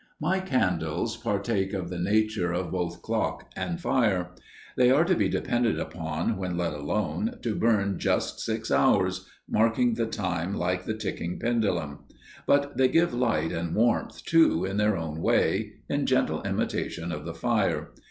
My candles partake of the nature of both clock and fire. They are to be depended upon, when let alone, to burn just six hours, marking the time like the ticking pendulum, but they give light and warmth, too, in their own way, in gentle imitation of the fire.